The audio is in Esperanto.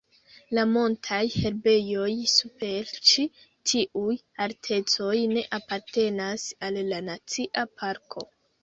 La montaj herbejoj super ĉi tiuj altecoj ne apartenas al la nacia parko.